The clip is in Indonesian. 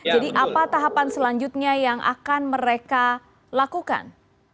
jadi apa tahapan selanjutnya yang akan mereka lakukan